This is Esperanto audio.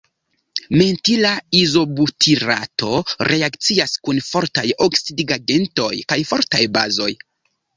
Mentila izobutirato reakcias kun fortaj oksidigagentoj kaj fortaj bazoj.